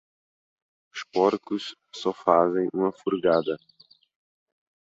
Os porcos só fazem uma furgada.